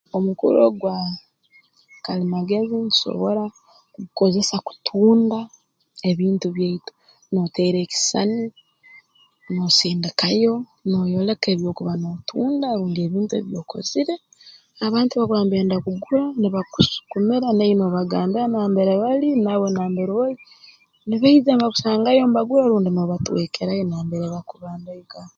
Omukura ogwa kalimagezi ntusobora kugukozesa kutunda ebintu byaitu nooteera ekisisani noosindikayo nooyoleka ebi okuba nootunda rundi ebintu eby'okozire abantu obu bakuba mbenda kugura nibakusukumira naiwe noobangambira nambere abali naiwe nambere oli nibaija mbakusangayo mbagura rundi noobatwekerayo nambere bakuba mbaikara